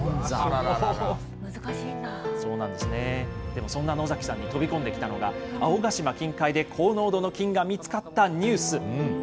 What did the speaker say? でもそんな野崎さんに飛び込んできたのが、青ヶ島近海で高濃度の金が見つかったニュース。